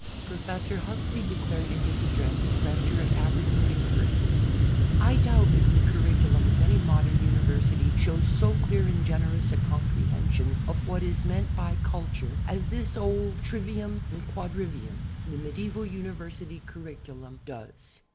Professor Huxley declared in his address as Rector of Aberdeen University. "I doubt if the curriculum of any modern university shows so clear and generous a comprehension of what is meant by culture as this old ^J^WENTY HISTORICAL '^DONTS^' 13 trivium and quadriviiim, the medieval university curri culum, does."